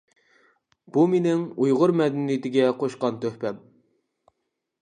بۇ مېنىڭ ئۇيغۇر مەدەنىيىتىگە قوشقان تۆھپەم.